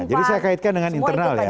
jadi saya kaitkan dengan internal ya